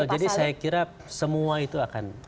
oh jadi saya kira semua itu akan